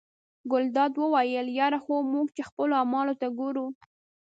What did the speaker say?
ګلداد وویل یره خو موږ چې خپلو اعمالو ته ګورو.